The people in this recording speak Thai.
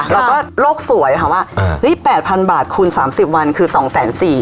เราก็โลกสวยคือว่า๘๐๐๐บาทคุณ๓๐วันคือ๒๔๐๐๐๐๐บาท